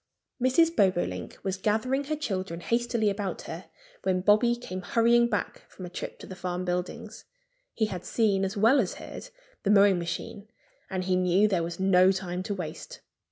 Mrs. Bobolink was gathering her children hastily about her when Bobby came hurrying back from a trip to the farm buildings. He had seen as well as heard the mowing machine. And he knew there was no time to waste.